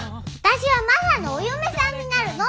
私はマサのお嫁さんになるの！